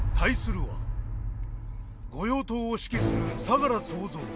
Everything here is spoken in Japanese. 御用盗を指揮する相楽総三。